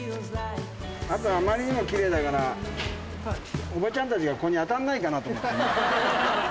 あと、あまりにもきれいだから、おばちゃんたちがここに当たんないかな